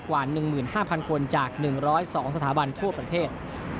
กว่า๑๕๐๐คนจาก๑๐๒สถาบันทั่วประเทศ